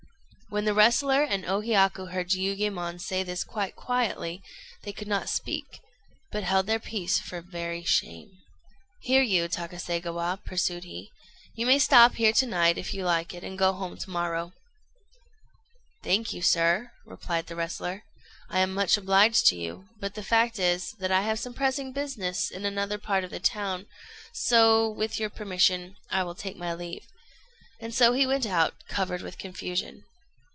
When the wrestler and O Hiyaku heard Jiuyémon say this quite quietly, they could not speak, but held their peace for very shame. "Here, you Takaségawa," pursued he; "you may stop here to night, if you like it, and go home to morrow." "Thank you, sir," replied the wrestler, "I am much obliged to you; but the fact is, that I have some pressing business in another part of the town, so, with your permission, I will take my leave;" and so he went out, covered with confusion.